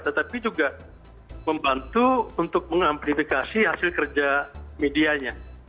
tetapi juga membantu untuk mengamplifikasi hasil kerja medianya